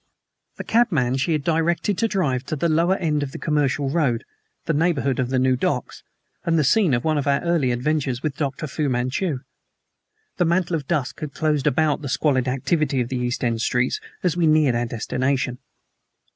The cabman she had directed to drive to the lower end of the Commercial Road, the neighborhood of the new docks, and the scene of one of our early adventures with Dr. Fu Manchu. The mantle of dusk had closed about the squalid activity of the East End streets as we neared our destination.